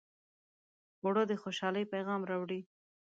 اوړه د خوشحالۍ پیغام راوړي